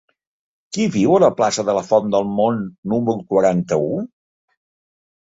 Qui viu a la plaça de la Font del Mont número quaranta-u?